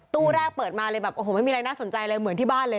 ตู้แรกเปิดมาเลยแบบโอ้โหไม่มีอะไรน่าสนใจเลยเหมือนที่บ้านเลย